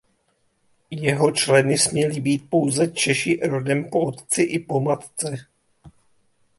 Jeho členy směli být pouze Češi rodem po otci i po matce.